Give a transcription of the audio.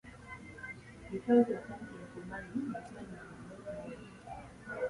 He shouted something to Marley, but Marley did not move.